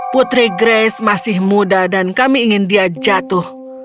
putri grace masih muda dan kami ingin dia jatuh